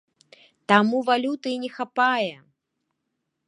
Таму валюты і не хапае!